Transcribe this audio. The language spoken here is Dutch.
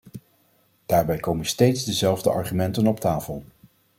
Daarbij komen steeds dezelfde argumenten op tafel.